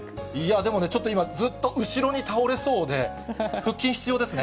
でもね、ちょっと今、ずっと後ろに倒れそうで、腹筋必要ですね。